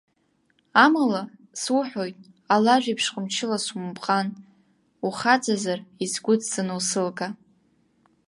Амала, суҳәоит, алажә еиԥш ҟамчыла сумыпҟан, ухаҵазар, исгәыдҵаны усылга!